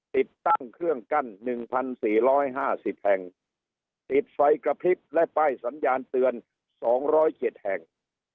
ติดตั้งเครื่องกั้นหนึ่งพันสี่ร้อยห้าสิบแห่งติดไฟกระพริบและป้ายสัญญาณเตือนสองร้อยเจ็ดแห่ง